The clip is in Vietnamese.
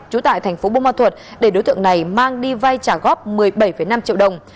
chú tại tp bông ma thuột để đối tượng này mang đi vay trả góp một mươi bảy năm triệu đồng